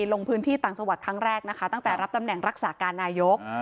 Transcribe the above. ลงพื้นที่ต่างจังหวัดครั้งแรกนะคะตั้งแต่รับตำแหน่งรักษาการนายก